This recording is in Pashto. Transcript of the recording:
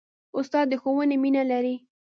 استاد د ښوونې مینه لري.